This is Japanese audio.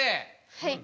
はい。